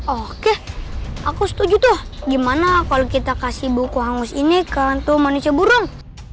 oke aku setuju tuh gimana kalau kita kasih buku hangus ini ke lantu manusia burung